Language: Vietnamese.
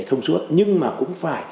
thông suốt nhưng mà cũng phải